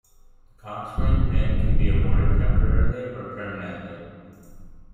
The Coxswain Pin can be awarded Temporarily or Permanently.